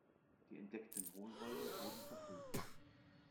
Die entdeckten Hohlräume wurden verfüllt.